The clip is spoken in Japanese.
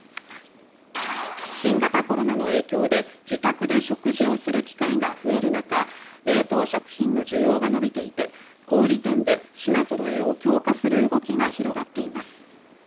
新型コロナの影響で自宅で食事をする機会が増える中冷凍食品の需要が伸びていて小売店で品ぞろえを強化する動きが広がっています。